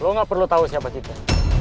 lo gak perlu tau siapa kita